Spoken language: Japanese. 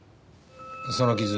その傷